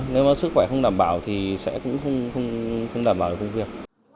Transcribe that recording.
nếu mà sức khỏe không đảm bảo thì sẽ cũng không đảm bảo được công việc